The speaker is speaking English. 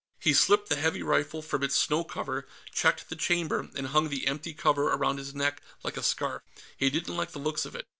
He slipped the heavy rifle from its snow cover, checked the chamber, and hung the empty cover around his neck like a scarf. He didn't like the looks of it.